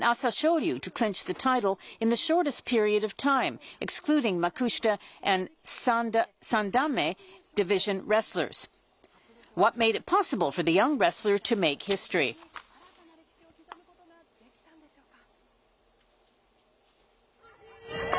土俵に新たな歴史を刻むことができたんでしょうか。